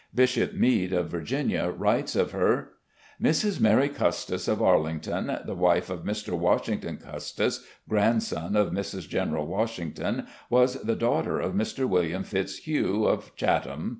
Bishop Mead6, of Virginia, writes of her: "Mrs. Mary Custis, of Arlington, the wife of Mr. Washington Custis, grandson of Mrs. General Washington, was the daughter of Mr. William Fitzhugh, of Chatham.